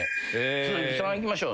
鈴木さんいきましょう。